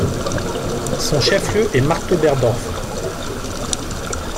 Son chef lieu est Marktoberdorf.